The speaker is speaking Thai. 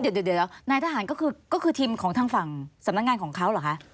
เดี๋ยวนายทหารก็คือทีมของทางฝั่งสำนักงานของเขาเหรอคะ